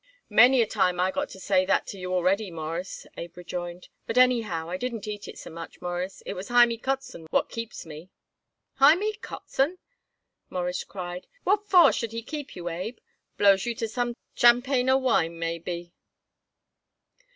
"Many a time I got to say that to you already, Mawruss," Abe rejoined. "But, anyhow, I didn't eat it so much, Mawruss. It was Hymie Kotzen what keeps me." "Hymie Kotzen!" Morris cried. "What for should he keep you, Abe? Blows you to some tchampanyer wine, maybe?"